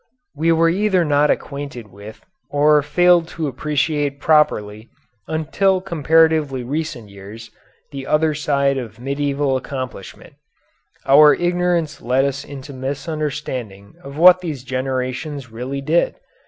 We were either not acquainted with, or failed to appreciate properly, until comparatively recent years, the other side of medieval accomplishment. Our ignorance led us into misunderstanding of what these generations really did.